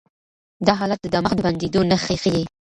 دا حالت د دماغ د بندېدو نښې ښيي.